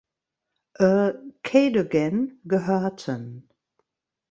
Earl Cadogan gehörten.